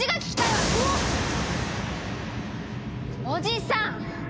おじさん！